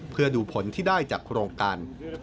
เพื่อดูผลที่ได้จากโครงการ